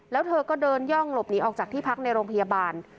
แล้วเธอก็เดินย่องหลบหนีออกจากที่พักในโรงพยาบาล